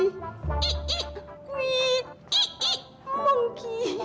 nah gue nggak tahu kenapa